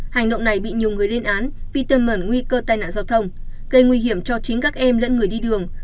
hành động này bị nhiều người lên án vì tiêm ẩn nguy cơ tai nạn giao thông gây nguy hiểm cho chính các em lẫn người đi đường